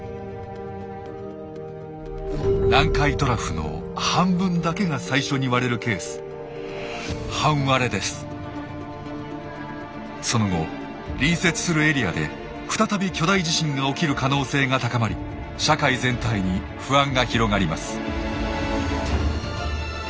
南海トラフの半分だけが最初に割れるケースその後隣接するエリアで再び巨大地震が起きる可能性が高まり社会全体に不安が広がります。